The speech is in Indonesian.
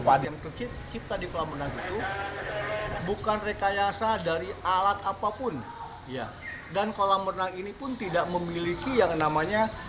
video itu bukan rekayasa dari alat apapun dan kolam renang ini pun tidak memiliki yang namanya